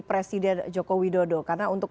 presiden jokowi dodo karena untuk